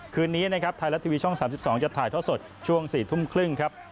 คืนนี้นะครับไทยรัฐทีวีช่อง๓๒จะถ่ายท่อสดช่วง๔ทุ่มครึ่งครับ